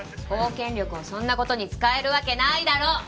公権力をそんなことに使えるわけないだろ！